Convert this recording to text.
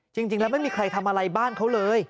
จริงแล้วไม่มีใครทำอะไรบ้านเขาเลย